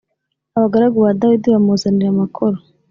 abagaragu ba Dawidi bamuzanira amakoro